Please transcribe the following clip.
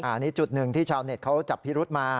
อันนี้จุดหนึ่งที่ชาวเน็ตเขาจับพิรุษมา